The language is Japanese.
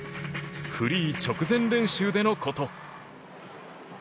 フリー直前練習でのこと。